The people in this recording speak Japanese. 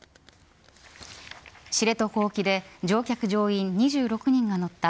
知床沖で乗客乗員２６人が乗った